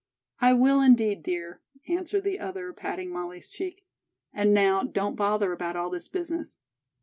"I will, indeed, dear," answered the other, patting Molly's cheek. "And now, don't bother about all this business.